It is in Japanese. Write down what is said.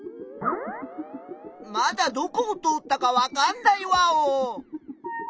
まだどこを通ったかわかんないワオ！